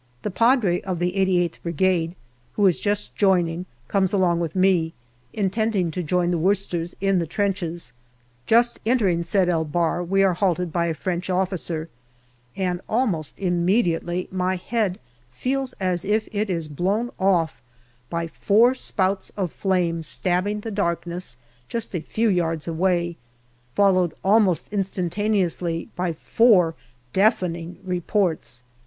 The Padre of the 88th Brigade, who is just joining, comes along with me, in tending to join the Worcesters in the trenches. Just entering Sed el Bahr we are halted by a French officer, and almost immediately my head feels as if it is blown off by four spouts of flame stabbing the darkness just a few yards away, followed almost instantaneously by four deafening reports.